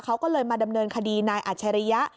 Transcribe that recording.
เขาก็เลยมาดำเนินคดีนายอัชริยะ